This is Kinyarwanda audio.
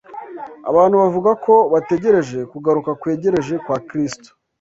Abantu bavuga ko bategereje kugaruka kwegereje kwa Kristo